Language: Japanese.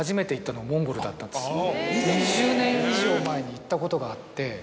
２０年以上前に行ったことがあって。